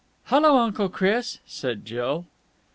"Hullo, Uncle Chris!" said Jill.